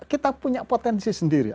kita punya potensi sendiri